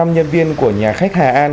nhân viên của nhà khách hà an